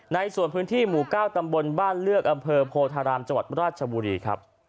ในส่วนพื้นที่หมู่๙ตำบลบ้านเลือกอำเภอโพธารามจังหวัดราชบุรีครับ